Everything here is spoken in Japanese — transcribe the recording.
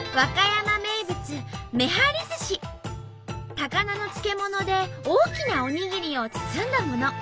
高菜の漬物で大きなおにぎりを包んだもの。